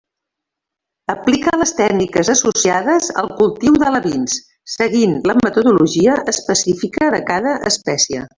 Aplica les tècniques associades al cultiu d'alevins, seguint la metodologia específica de cada espècie.